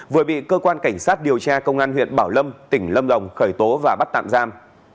vừa bị cơ quan cảnh sát điều tra công an huyện bảo lâm tỉnh lâm đồng khởi tố và bắt tạm giam